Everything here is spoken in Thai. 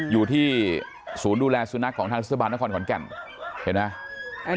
อยู่ที่ศูนย์ดูแลสุนัขของทางเทศบาลนครขอนแก่นเห็นไหม